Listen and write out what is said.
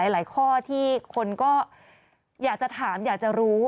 หลายข้อที่คนก็อยากจะถามอยากจะรู้